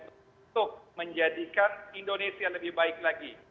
untuk menjadikan indonesia lebih baik lagi